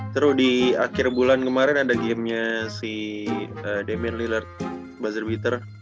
terus di akhir bulan kemarin ada gamenya si damien lillard buzzer beater